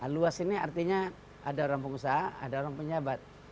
luas ini artinya ada orang pengusaha ada orang pejabat